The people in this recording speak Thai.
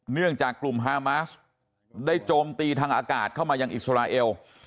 เนื่องจากกลุ่มฮามาสได้โจมตีทางอากาศเข้ามายังอิสราเอล